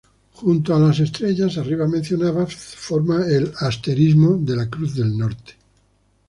Junto a las estrellas arriba mencionadas, forma el asterismo de la Cruz del Norte.